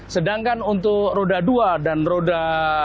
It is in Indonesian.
sedangkan untuk roda dua dan roda empat